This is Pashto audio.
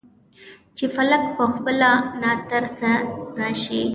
چې فلک پخپله ناترسۍ راشي.